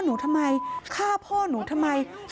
โชว์บ้านในพื้นที่เขารู้สึกยังไงกับเรื่องที่เกิดขึ้น